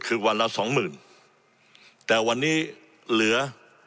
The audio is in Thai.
คือวันละสองหมื่นแต่วันนี้เหลือ